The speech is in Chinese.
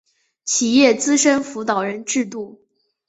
企业资深辅导人制度